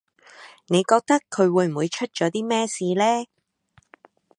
你覺得佢會唔會出咗啲咩事呢